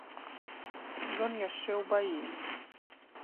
Ён яшчэ ў баі.